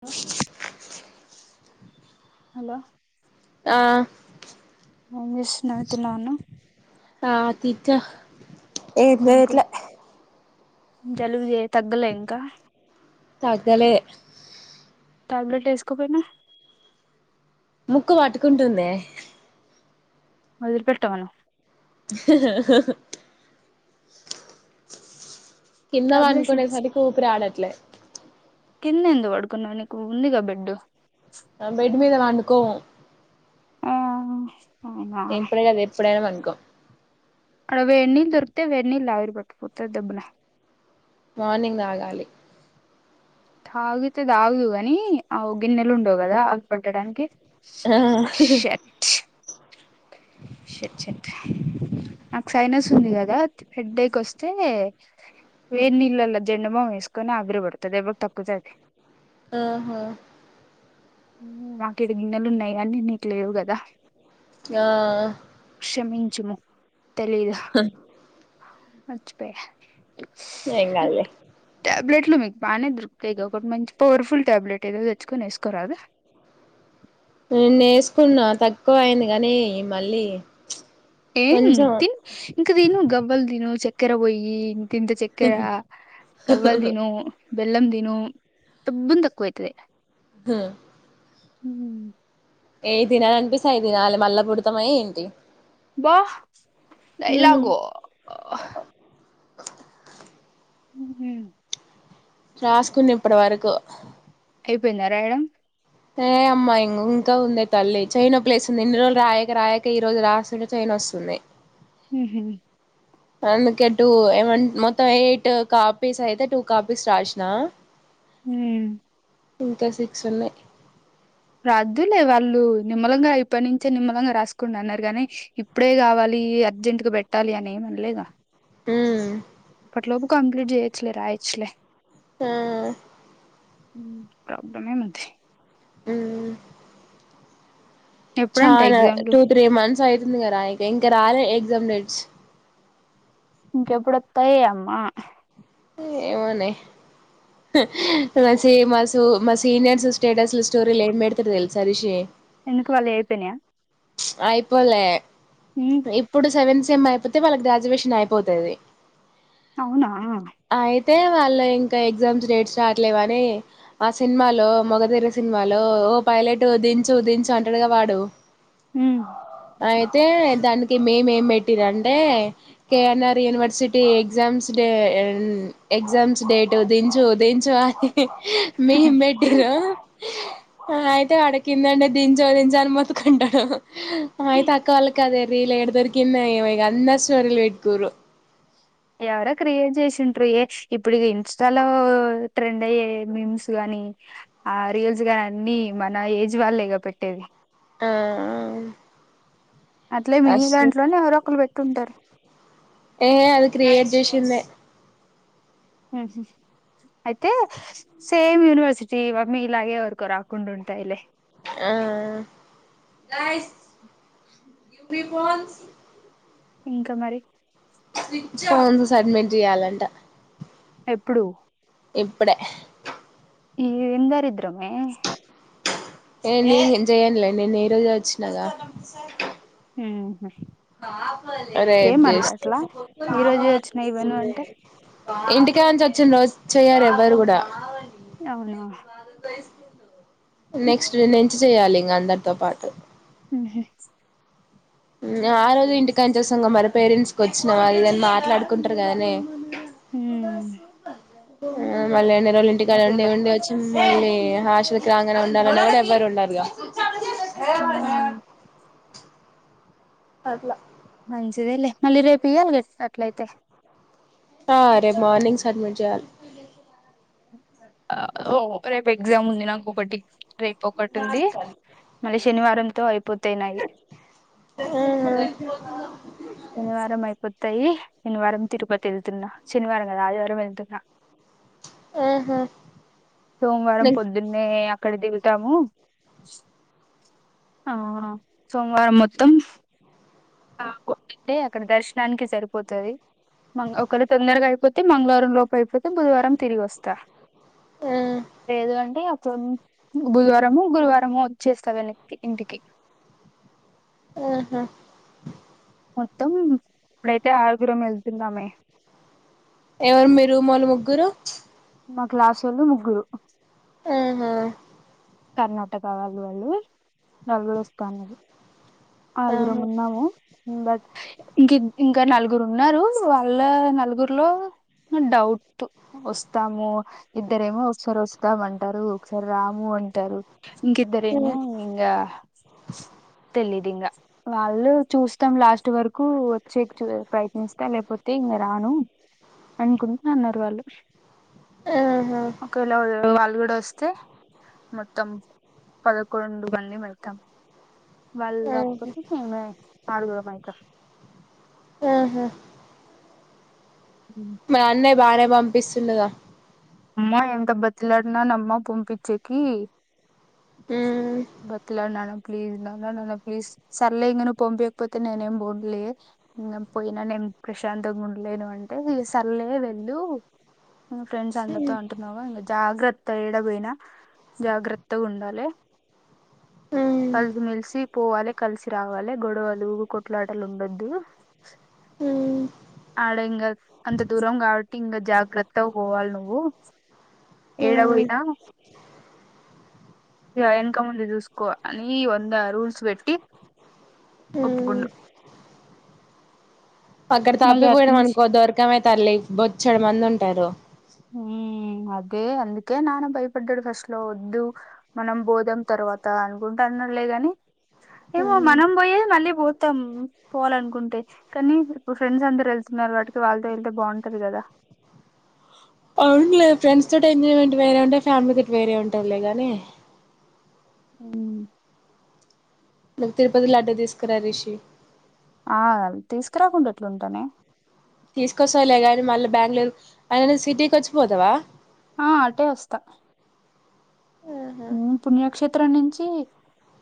లొ లో ఆ ఏం చేస్తు నవు తిన్నావ అన్నం ఆ తిచ్చ ఏం ఇంకో చేయట్లే జలుబు చే తగ్గలే ఇంకా తగ్గలే టాబ్లెటెసుకోపోయినవ్ ముక్కు పట్టుకుంటుందే వొదలు పెట్టమను కింద టాబ్లెట్స్ పండుకునేసరికీ అడట్లే కిందెందు పడుకున్న నీకు ఉందిగా బెడ్ మేం బెడ్డు మీద పండుకొమ్మ ఉమ్ ఎప్పుడే ఎప్పుడేనా పండుకొ ఆడ వేడినీళ్లు దొరికతే వేర్నీల్విర్ బట్టి పోతుతే దబ్న మార్నింగ్ తాగాలి ఆగితద ఆదుగానీ ఆ గిన్నెలు ఉండోదా ఆ పట్టడానికి ఆ షట్ షట్ చెట్ నాకు సైనస్ ఉంది కదా హెడ్డేకోస్తే వేన్ల్ల జెండమామ్ వేస్కొనే ఆగ్రరు బడుతుది బా తక్కుతుది ఆహా నాకిడ గిన్నెలు ఉన్నయి అనీ నీకు లేవు కదా ఇగ క్షమించుము తెలీదు హ వచ్చపోయా ఇంకదులే టాబ్లెట్లు మీకు బానే దొకుతయి ఒకటి మంచి పవర్ఫుల్ ట్యాబ్లెట్ ఏదో తెచ్చుకని వసుకోరాదు నాన్ తక్కువ అయింది కాని మళ్ళీ ఏం కొంచెం తి ఇంకా తిను గబ్బలు తిను చక్కెర పోయి తింత చ క్కెర కవ్వల్ దను బెల్లం దిన డబ్బున్ తక్కువ అయితది ఉమ్ ఉమ్ ఏ తినాలనిపిస్త అయి తినాలి మళ్ళా పుడతామ ఏంటి వా డైలాగు ఉమ్ రాసుకున్న ఇప్పడి వరకు అయిపోయిందరాయడం ఏ అమ్మాయి ఇం ఇంకా ఉందే తల్లి చైనీప్లేస్ంది ఇన్ని రోజులు రాయక రాయక ఈ రోజు రాస్తుంటే చైయి నోస్తుంది ఉహు అందుకే టూ ఏమ మొత్తం ఎయిట్ కాపీస్ అయితే టూ కాపీస్ రాసినా ఉమ్ ఇంకా సిక్స్ ఉన్నయి రాదులే వాళ్ళు నిమ్మలంగా ఇప్పటి నుంచే నిమ్మలంగా రాసుకోండి అన్నరు గని ఇప్పుడే కావాలి అర్జెంట్ క పెట్టాలి అని ఏమనలేగా ఉమ్ అప్పట్లోపు కంప్లీట్ చేయచ్చలే రాయచ్చులే ఆ హ్మ్ ప్రాబ్లమ్ ఏమ్ముంద్ ఉమ్ ఎప్పుడంట చానా ఎగ్జామ్లు టూ త్రీ మంత్స్ అయ్తుంది కదా రా ఇంకా రాలేదు ఎగ్జామ్ డేట్స్ ఇంకెప్పుడోస్తాయ్ అమ్మా ఏమోనే మసి మాసు మా సీనియర్స్ స్టేటస్లు స్టోరీలు ఏం పెడ్తరు తెలుస రిషి ఎందుకు వాళ్ళు అయిపోయినాయా అయిపోలే ఉమ్ ఇప్పుడు సెవెన్ సేమ్ అయిపోతే వాళ్ళకి గ్రాడ్యుయేషన్ అయిపోతది అవునా అయితే వాళ్ళు ఇంకా ఎగ్జామ్స్ డేట్స్ రావట్లేవని ఆ సినిమాలో మగధీర సినిమాలో ఓ పైలట్ దించు దించు అంటడుగా వాడు హ్మ్ అయితే దానిక్ మేమేం ఏం పెట్టిర అంటే KNR university exams day exams date దించు దించు అని మేము పెట్టినా అయితే అడకిందండి దించో దించ అని మోతుకుంటాడు అయితే అక్కవాళ్ళ కదే రీల్ ఏడ దొరికిందో ఏవో ఇగ అందర్ స్టోరీలు పెట్కూరు ఎవరో క్రియేట్ చేసింటారు ఏ ఇప్పుడు ఇన్స్టాలో ట్రెండ్ అయ్యే మిమ్స్ గానీ ఆ రీల్స్ గాని అన్ని మన ఏజ్ వాళ్లే గా పెట్టేది ఆ అట్లే మీ అస్సలు దాంట్లోనే ఎవరో ఒకరు పెట్టి ఉంటారు ఏ అది క్రియేట్ చేసిందే హ్మ్ హు అయితే సేమ్ యూనివర్సిటీ మీలాగే ఎవరికో రాకుండా ఉంటాయిలే ఆ ఇంకా మరి కౌన్సస్ అడ్మింట్ చేయాలంట ఎప్పుడు ఇప్పుడే ఎం దరిద్రమే ఏ నేన్ జేయనులే నేను ఈ రోజే వచ్చినాగా హ్మ్ హు రేప్ చేస్త్ ఈ రోజే వచ్చినాయి ఇవ్వను అంటే ఇంటిక నుంచి వచ్చిన రోజు చెయ్యారు ఎవ్వరు కూడా అవునా నెక్స్ట్ ఎంచి చెయాలి ఇంకా అందరితో పాటు ఉమ్ హ్మ్ మ్మ్ ఆ రోజే ఇంటికాన్ నుంచి వస్తాం గా మరి పేరెంట్స్ క వచ్చినా ఇదని మాట్లాడుకుంటారు కదానే హుమ్మ్ ఆ మళ్ళీ ఎన్ని రోజులు ఇంటికా ఉండి అదేలే ఉండి వచ్చి మళ్ళీ హాస్టల్కి రాంగానే ఉండాలని కూడా ఎవ్వరు ఉన్నారుగా హమ్ అట్లా మంచిదేలే మళ్ళీ రేపు ఇయ్యాలి గా అట్లయితే ఆ రేపు మార్నింగ్స్ సడ్మిట్ చేయాలి ఓ రేపు ఎగ్జామ్ ఉంది నాకు ఒకటి రేపు ఒకటి ఉంది మళ్ళీ శనివారంతో అయిపోతేనాయి ఆహ శనివారం అయిపోతాయి శనివారం తిరుపతి వెళ్తున్నా శనివారం కాదు ఆదివారం వెళ్తున్నా ఆహా సోమవారం నెక్స్ట్ పొద్దున్న నే అక్కడ దిగుతాము ఆ సోమవారం మొత్తం ఆ ఒక్కటే అక్కడ దర్శనానికి సరిపోతది మ ఒకవేళ తొందరగా అయిపోతే మంగళవారం లోపు అయిపోతే బుధవారం తిరిగి వస్తా ఆ లేదు అంటె ఇగ తొన్ బుధవారము గురువారము వచ్చేస్తా వెనక్కి ఇంటికి ఆహా మొత్తం ఇప్పుడైతే ఆరుగురమే వెళ్తున్నామే ఎవరు మీరు మొన్న ముగ్గురు మా క్లాస్సొల్లు ముగ్గురు అహా కర్ణాటక వాళ్ళు వాళ్లు నలుగురు వస్తా అన్నారు ఆహా ఆరుగురం ఉన్నాము ఉ బట్ ఇకిన్ ఇంకా నలుగురు ఉన్నారు వాళ్ళ నలుగురులో డౌట్టు వస్తాము ఇద్దరేమో ఒకసర్ వస్తాం అంటారు ఒకసారి రాము అంటారు ఇంక ఇద్దరేమో ఇంగా తెలీదు ఇంగా వాళ్ళు చూస్తాం లాస్ట్ వరకు వచ్చేకు చు ప్రయత్నిస్తా లేకపోతే ఇంగా రాను అనుకుంట అన్నారు వాళ్ళు అహా కొలవేల వాళ్లు కూడా వస్తే మొత్తం పదకొండు మంది వెళ్తాం వాల్ రాకపోతే ఏమి ఆరుగురం మె ఇక అహా ఊ మరి అన్నయ బాగానే పంపిస్తును కదా అమ్మ ఎంత బతిమలాడినానమ్మ పంపించేకి ఊ బతిమిలానాన ప్లీజ్ నాన్న నాన్న ప్లీజ్ సర్లే ఇంగా పంపియకపోతే నేనేం బోన్లే ఇంగ పోయినా నేను ప్రశాంతంగా ఉండలేను అంటే ఇగ సర్లే వెళ్ళు హు ఫ్రెండ్స్ అందరితో అంటున్నావా ఇంగా జాగ్రత్ తేడా పోయినా జాగ్రత్త ఉండాలి కలిసిమెలిసి పోవాలే కలిసి రావాలే గొడవలు కొట్లాటలు ఉండొద్దు ఆడ ఇంగా అంత దూరంగా కాబట్టి ఇంగా జాగ్రత్ త పోవల్ నువ్వు ఏడ పోయినా ఇగ ఎనక ముందు చూసుకో అని వంద రూల్స్ పెట్టి ఒప్పుకుండు అక్కడ మళ్ళీ తప్పిపోయినం అట్నుంచి అనుకో దొరకమె తల్లి బొచ్చడు మంది ఉంటారు ఊ అదే అందుకే నాన్న భయపడ్డాడు ఫస్ట్ లో వద్దు మనం పోదాం తర్వాత అనుకుంటా అన్నడు లే గాని ఏమో ఉమ్ మనం పోయేద్ మళ్ళీ పో త్తం పోవాలనుకుంటే కానీ ఫ్రెండ్స్ అందరూ ఎళ్తున్నారు వాటికి వాళ్ళతో ఎళ్తే బావుంటది కదా అవునులే ఫ్రెండ్స్ తోటి ఎంజాయ్మెంట్ వేరే ఉంటది ఫ్యామిలీ తోటి వేరే ఉంటాదిలే గానీ అవును లకు తిరుపతి లడ్డు తీసుకురా రిషి ఆ తీసుకురాకుండా ఎట్లుంటానే తీసుకొస్తాలే కానీ మళ్ళీ బ్యాంగుళూరు అలానే సిటీకొచ్చి పోతావా ఆ అటే వస్తా ఆహా ఊ పుణ్యక్షేత్రం నుంచి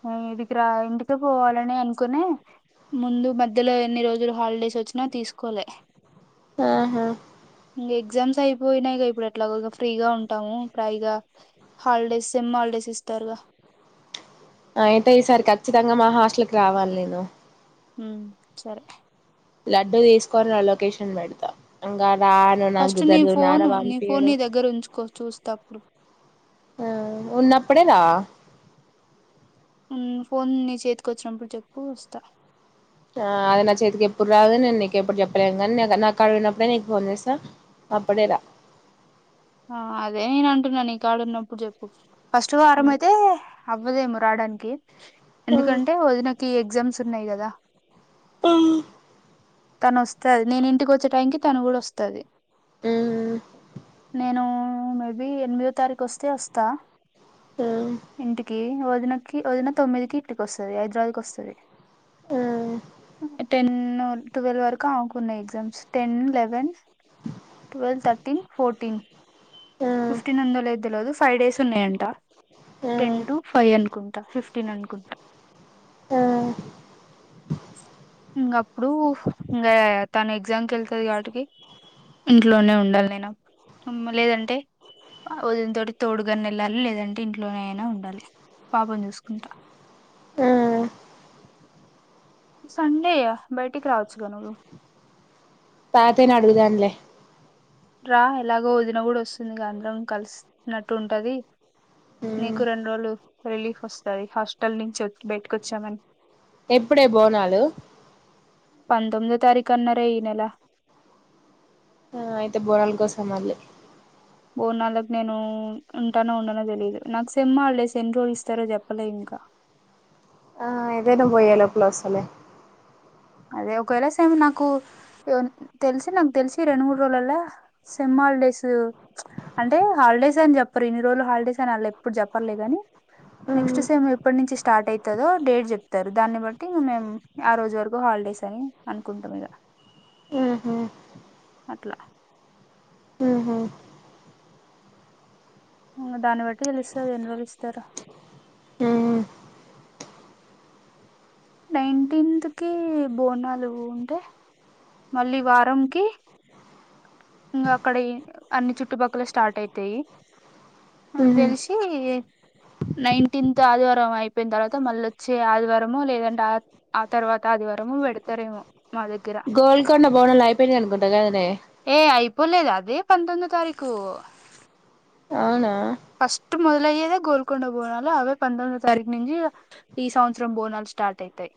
ఆ ఇదికిరా ఇంటికి పోవాలని అనుకునే ముందు మధ్యలో ఎన్ని రోజులు హాలిడేస్ వచ్చినా తీసుకోలే ఆహా ఇంగ ఎగ్జామ్స్ అయిపోయినాయి గా ఇప్పుడు ఎట్లాగో ఇగ ఫ్రీగా ఉంటాము పైగా హాలిడేస్ సెమ్ హాలిడేస్ ఇస్తారుగా అయితే ఈసారి ఖచ్చితంగా మా హాస్టల్క్ కి రావాలి నేను ఉమ్ సరే లడ్డూ తీసుకొని రా లొకేషన్ పెడతా ఇంగా రా ఫస్ట్ నీ ఫోను నీ ఫోన్ నీ దగ్గరుంచుకో చూస్తా అప్పుడు ఉన్నప్పుడే రా ఉన్ ఫోన్ నీ చేతికొచ్చినప్పుడు చెప్పు వస్తా ఆళఅది నా చేతికి ఎప్పుడూ రాదు నేను నీకు ఎప్పుడూ చెప్పలేను గానీ నాకాడున్నప్పుడే నీకు ఫోన్ చేస్తా అప్పుడే రా ఆ అదే నేను అంటున్నా నీ కాడ ఉన్నప్పుడు చెప్పు ఫస్ట్ వారం అయితే అవ్వదేమో రాడానికి ఎందుకంటే ఒదినకి ఎగ్జామ్స్ ఉన్నాయి గదా పుం తను వస్తది నేను ఇంటికి వచ్చే టైంకి తను కూడా వస్తది ఊ నేను మేబీ ఎనిమిదో తారీఖు వస్తే వస్తా ఇంటికి వదినకి వదిన తొమ్మిదికి ఇంటికి వస్తది హైదరాబాద్ కి వస్తది టెన్ను టువెల్ వరకు అవుకున్న exams ten eleven twelve thirteen fourteen fifteen ఉందో లేదో తెల్వదు ఫైవ్ డేస్ ఉన్నాయంట టెన్ టు తాతయ్యని ఫైవ్ అనుకుంటా ఫిఫ్టీన్ అనుకుంటా ఆ ఇంగ అప్పుడు ఇంగ తను ఎగ్జామ్ కెళ్తది గాటికి ఇంట్లోనే ఉండాలి నేను ఉమ్ లేదంటే వదిన తోటి తోడుగన్ ఎళ్ళాలి లేదంటే ఇంట్లోనైనా ఉండాలి పాపని చూసుకుంటా సండే యా బయటికి రావచ్చుగా నువ్వు తాతయ్య ని అడుగుదానులే రా ఎలాగో వదిన గూడా వస్తుందిగా అందరం కలిసినట్టు ఉంటది నీకూ రెండు రోజులు రిలీఫ్ వొస్తది హాస్టల్ నుంచి బయటకొచ్చామని ఎప్పుడే బోనాలు పంతొమ్మిదో తారీఖు అన్నారే ఈ నెల ఆ అయితే బోనాలు కోసం మళ్ళీ బోనాలకి నేను ఉంటానో ఉండనో తెలియదు నాకు సేమ్ హాలిడేస్ ఎన్ని రోజులిస్తారో చెప్పలే ఇంకా ఆ ఏదైనా పోయ్యే లోపల వస్తాలే అదే ఒకవేళ సేమ్ నాకు తెలిసి నాకు తెలిసి రెండు మూడు రోజులల్లా సెమ్ హాలిడేస్ అంటే హాలిడేస్ అని చెప్పరు ఇన్ని రోజులు హాలిడేస్ అని అన్లె ఇప్పుడు చెప్పర్లే గాని నెక్స్ట్ సేమ్. ఎప్పటినుంచి నుంచి స్టార్ట్ అయితదో డేట్ చెప్తారు దాన్ని బట్టి మేము ఆ రోజు వరకు. హాలిడేస్ అని అనుకుంటాం ఇగా. ఉహు అట్లా. ఉహు. ఇంకా దాన్ని బట్టి తెలుస్తది ఎన్ని రోజులు ఇస్తారో. ఊ. నైన్టీన్త్ కి బోనాలు ఉంటే. మళ్ళీ వారంకి. ఇంకా అక్కడ అన్ని చుట్టుపక్కల స్టార్ట్ అయితాయి నాకు తెలిసి. ఈ. నైన్టీన్త్ ఆదివారం అయిపోయిన తర్వాత మళ్ళ వచ్చే ఆదివారంము లేదంటే. ఆ తర్వాత ఆదివారంము పెడతారేమో మా దగ్గర. గోల్కొండ బోనాలు అయిపోయినాయి అనుకుంటా కదా నే. ఏ అయిపోలేదు అదే పంతొమ్మిది తారీకు. అవునా. ఫస్ట్ మొదలయ్యేది గోల్కొండ బోనాలు అవే పందొమ్మిది తారీఖ నుంచి. ఈ సంవత్సరం బోనాలు స్టార్ట్ అయితాయి.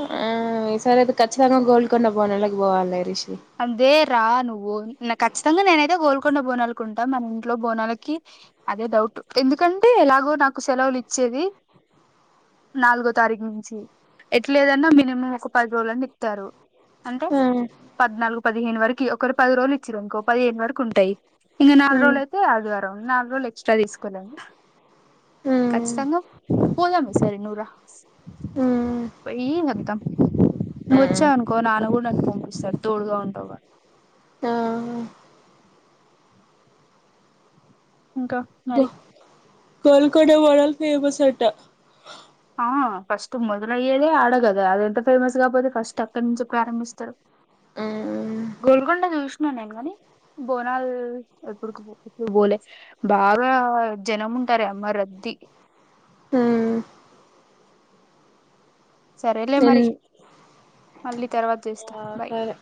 ఆ. ఈ సారి అతే ఖచ్చితంగా గోల్డ్కొండ బోనాలకి పోవాలనే రిషి. అదే రా నువ్వు ఖచ్చితంగా నేనైతే గోల్కొండ బోనాలకు ఉంటాం మన ఇంట్లో బోనాలకి. అదే డౌట్ ఎందుకంటే ఎలాగో నాకు సెలవులు ఇచ్చేది. నాలుగో తారీఖు నుంచి. ఎట్ లేదన్నా మినిమం ఒక పది రోజులన్న ఇత్తారు అంటే. ఉమ్ పద్నాలుగు పదిహేను వరకు ఒకరిరు పది రోజులు ఇచ్చారు ఇకో పదిహేను వరకు ఉంటాయి. ఇంకా నాలు రోజులు అయితే ఆదివారం నాలుగు రోజులు ఎక్స్ట్రా తీసుకోవాలే. ఉమ్ ఉమ్ ఖచ్చితంగాం పోదమ సార్న్నూరా. ఉమ్ పోయ్య అద్దాం నువ్వు వచ్చావు అనుకో నాన్న కూడా నాకు పంపిస్తాడు. తోడుగా ఉండవుగా. ఇంకా మరి. కోల్కడ వాళల్ ఫేమస్ అంట. ఆ ఫస్ట్ మొదలయ్యేదే ఆడగదా అది ఎంత ఫేమస్ కాపోతే ఫస్ట్ అక్కడి నుంచి ప్రారంభిస్తారు ఊ. గోల్గొండ చూసినాను నేను కాని బోనాలు ఎప్పుడుకి. బోలే బాగా జనం ఉంటార అమ్మ రద్దీ. హ్మ్ సరేలే మరి మళ్ళీ తర్వాత చేస్. ఆ సరే.